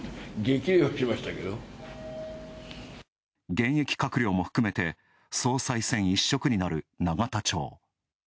現役閣僚も含めて総裁選一色になる永田町。